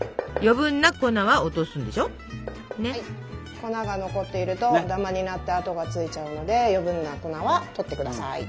粉が残っているとダマになって跡がついちゃうので余計な粉はとってください。